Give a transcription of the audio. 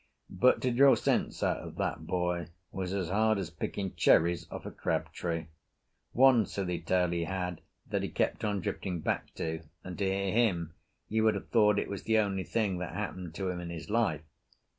But to draw sense out of that boy was as hard as picking cherries off a crab tree. One silly tale he had that he kept on drifting back to, and to hear him you would have thought that it was the only thing that happened to him in his life.